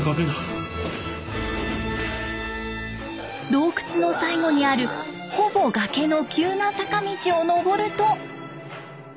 洞窟の最後にあるほぼ崖の急な坂道を登ると。